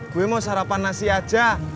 gue mau sarapan nasi aja